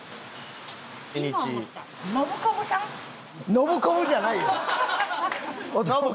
ノブでコブじゃないよ。